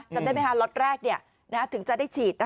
จำได้ไหมคะล็อตแรกถึงจะได้ฉีด